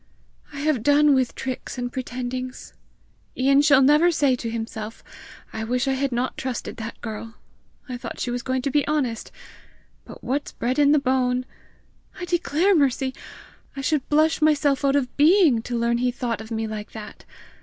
I have done with tricks and pretendings! Ian shall never say to himself, 'I wish I had not trusted that girl! I thought she was going to be honest! But what's bred in the bone !' I declare, Mercy, I should blush myself out of being to learn he thought of me like that!